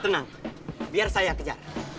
tenang biar saya kejar